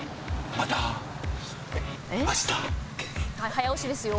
「早押しですよ」